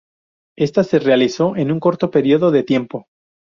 Esta se realizó en un corto periodo de tiempo.